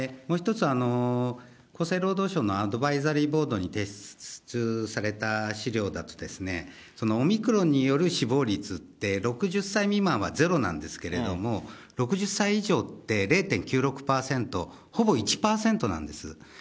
もう一つ、厚生労働省のアドバイザリーボードに提出された資料だと、オミクロンによる死亡率って、６０歳未満はゼロなんですけれども、６０歳以上って０．９６％、ほぼ１％なんです。